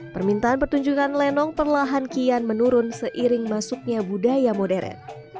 permintaan pertunjukan lenong perlahan kian menurun seiring masuknya budaya modern